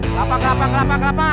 kelapa kelapa kelapa kelapa